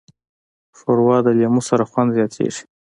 ښوروا د لیمو سره خوند زیاتیږي.